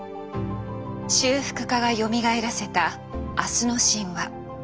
修復家がよみがえらせた「明日の神話」。